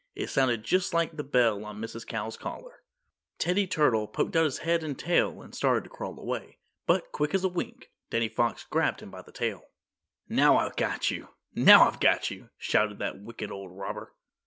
It sounded just like the bell on Mrs. Cow's collar. Teddy Turtle poked out his head and tail and started to crawl away, but, quick as a wink, Danny Fox grabbed him by the tail. "Now I've got you! Now I've got you!" shouted that wicked old robber.